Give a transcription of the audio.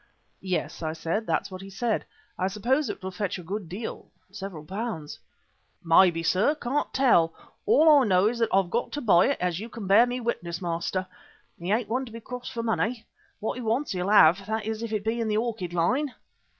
"Yes," I said, "that's what he said. I suppose it will fetch a good deal several pounds." "Maybe, sir, can't tell. All I know is that I've got to buy it as you can bear me witness. Master, he ain't one to be crossed for money. What he wants, he'll have, that is if it be in the orchid line."